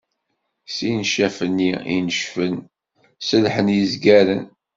Si ncaf-nni i necfen, ṣelḥen izgaren.